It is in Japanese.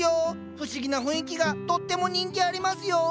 不思議な雰囲気がとっても人気ありますよ。